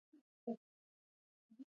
لیکوالان د ژبې غښتلي ستني دي.